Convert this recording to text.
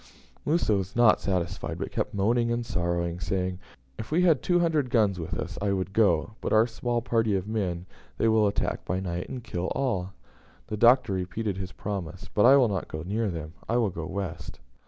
Musa was not satisfied, but kept moaning and sorrowing, saying, "If we had two hundred guns with us I would go; but our small party of men they will attack by night, and kill all." The Doctor repeated his promise, "But I will not go near them; I will go west."